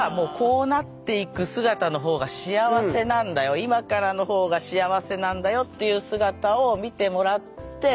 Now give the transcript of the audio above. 僕は今からのほうが幸せなんだよっていう姿を見てもらって。